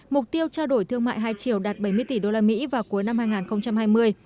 mục tiêu trao đổi thương mại hai triều đạt bảy mươi tỷ đô la mỹ vào cuối năm hai nghìn hai mươi